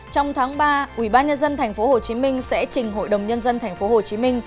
trong tháng ba ủy ban nhân dân tp hcm sẽ trình hội đồng nhân dân tp hcm